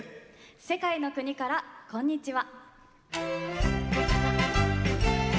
「世界の国からこんにちは」。